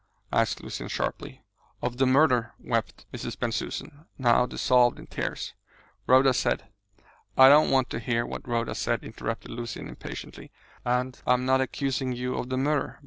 asked Lucian sharply. "Of the murder!" wept Mrs. Bensusan, now dissolved in tears. "Rhoda said " "I don't want to hear what Rhoda said," interrupted Lucian impatiently, "and I am not accusing you of the murder.